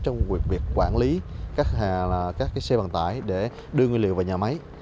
trong việc quản lý các xe vận tải để đưa nguyên liệu vào nhà máy